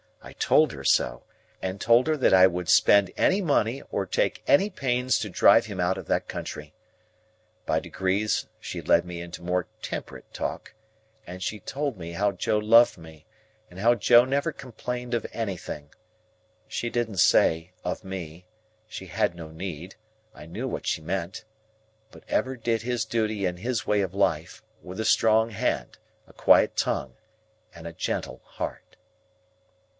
I told her so, and told her that I would spend any money or take any pains to drive him out of that country. By degrees she led me into more temperate talk, and she told me how Joe loved me, and how Joe never complained of anything,—she didn't say, of me; she had no need; I knew what she meant,—but ever did his duty in his way of life, with a strong hand, a quiet tongue, and a gentle heart.